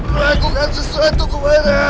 raya aku gak sesuai untuk guwara